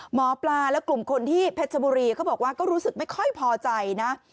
หมอปลาและกลุ่มคนที่เพชรชบุรีเขาบอกว่าก็รู้สึกไม่ค่อยพอใจนะ